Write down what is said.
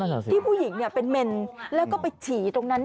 ที่ผู้หญิงเป็นเมนแล้วก็ไปฉี่ตรงนั้น